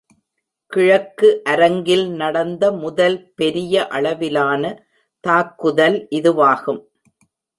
கிழக்கு அரங்கில் நடந்த முதல் பெரிய அளவிலான தாக்குதல் இதுவாகும்.